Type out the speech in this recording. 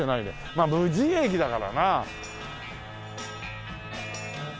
まあ無人駅だからな。